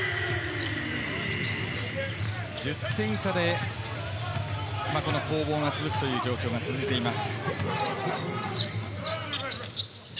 １０点差で攻防が続くという状況が続いています。